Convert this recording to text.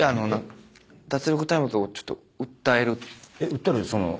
訴えるってその。